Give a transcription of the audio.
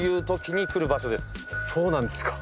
そうなんですか。